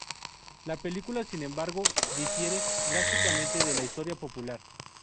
La película, sin embargo, difiere drásticamente de la historia popular.